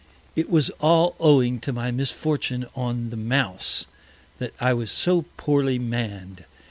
It was all owing to my Misfortune on the Mouse, that I was so poorly Mann'd.